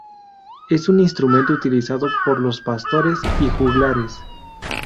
Es un instrumento utilizado por los pastores y juglares.